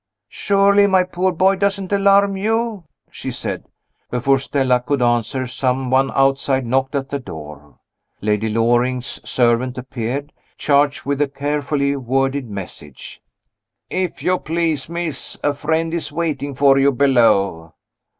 "Surely, my poor boy doesn't alarm you?" she said. Before Stella could answer, some one outside knocked at the door. Lady Loring's servant appeared, charged with a carefully worded message. "If you please, miss, a friend is waiting for you below."